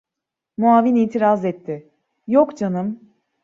Muavin itiraz etti: "Yok canım…"